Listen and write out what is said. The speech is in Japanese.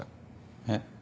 えっ。